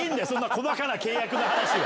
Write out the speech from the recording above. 細かな契約の話は。